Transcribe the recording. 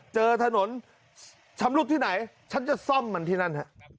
เจอถนนชำรุดที่ไหนฉันจะซ่อมมันที่นั่น